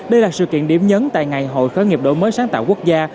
đây là sự kiện điểm nhấn tại ngày hội khởi nghiệp đổi mới sáng tạo quốc gia